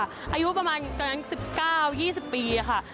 อายุประมาณตอนนั้น๑๙๒๐ปีค่ะ